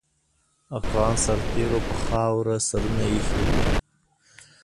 افغان سرتېرو پر خاوره سرونه اېښي دي.